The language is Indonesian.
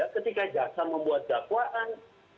ketika jaksa membuat dakwaan